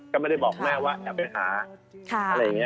ก็ไม่ได้บอกแม่ว่าอยากไปหา